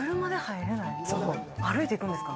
歩いていくんですか？